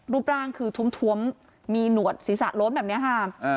รูปร่างคือท้วมมีหนวดศีรษะโล้นแบบนี้ค่ะ